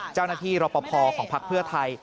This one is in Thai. เจ้าหน้าที่รปภของพักเพื่อไทย